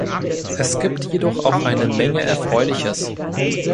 Es gibt jedoch auch eine Menge Erfreuliches.